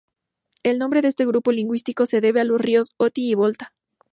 El nombre de este grupo lingüístico se debe a los ríos Oti y Volta.